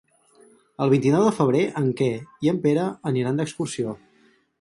El vint-i-nou de febrer en Quer i en Pere aniran d'excursió.